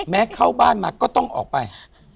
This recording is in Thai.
เข้าบ้านมาก็ต้องออกไป